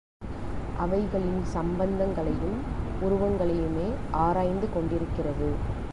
அவைகளின் சம்பந்தங்களையும், உருவங்களையுமே ஆராய்ந்து கொண்டிருக்கிறது.